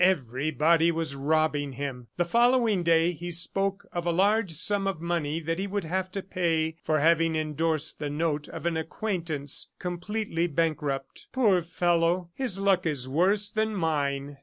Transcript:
Everybody was robbing him! The following day he spoke of a large sum of money that he would have to pay for having endorsed the note of an acquaintance, completely bankrupt. "Poor fellow! His luck is worse than mine!"